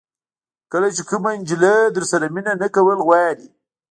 کله چې کومه جلۍ درسره مینه نه کول غواړي.